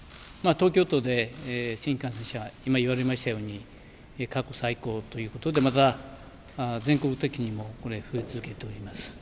東京都で新規感染者今言われましたように過去最高ということでまた全国的にも増え続けております。